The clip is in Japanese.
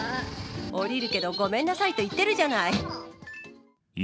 降りるけど、ごめんなさいと言ってるじゃない。